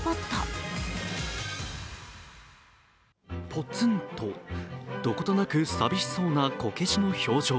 ぽつんと、どことなく寂しそうなこけしの表情。